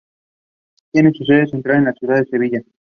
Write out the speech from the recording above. Tiene su sede central en la ciudad de Sevilla